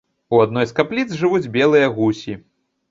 У адной з капліц жывуць белыя гусі.